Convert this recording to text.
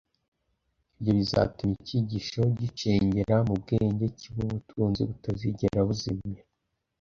Ibyo bizatuma icyigisho gicengera mu bwenge, kibe ubutunzi butazigera buzimira.